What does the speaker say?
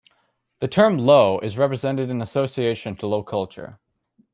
The term "low" is represented in association to low culture.